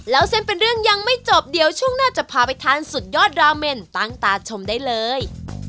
แล้วเส้นเป็นเรื่องยังไม่จบเดี๋ยวช่วงหน้าจะพาไปทานสุดยอดดราเมนตั้งตาชมได้เลย